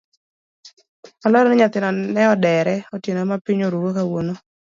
Olero ni nyathino ne odere otieno mapiny rugo kawuono.